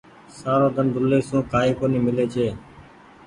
سارو ۮن رولي سون ڪآئي ڪونيٚ ميلي ڇي۔